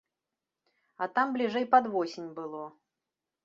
А там бліжэй пад восень было.